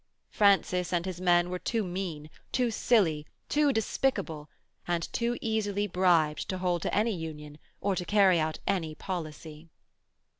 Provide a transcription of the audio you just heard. Francis and his men were too mean, too silly, too despicable, and too easily bribed to hold to any union or to carry out any policy....